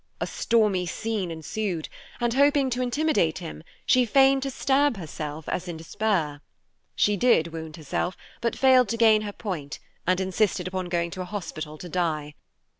A stormy scene ensued, and, hoping to intimidate him, she feigned to stab herself as if in despair. She did wound herself, but failed to gain her point and insisted upon going to a hospital to die.